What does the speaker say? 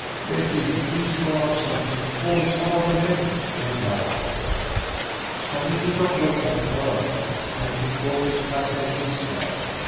"Betty, please go outside and call some of the men," begged Marable. But he did not look at her, and she caught his fascinated stare.